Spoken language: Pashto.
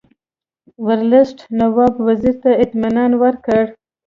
ورلسټ نواب وزیر ته اطمینان ورکړ.